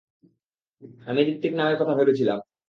আমি হৃতিক নামের কথা ভেবেছিলাম।